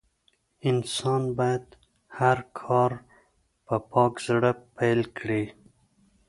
انسان بايد هر کار په پاک زړه پيل کړي.